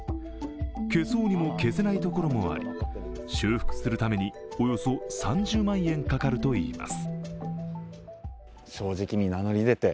消そうにも消せない所もあり、修復するためにおよそ３０万円かかるといいます。